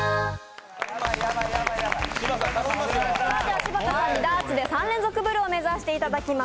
柴田さんに３連続ブルを目指していただきます。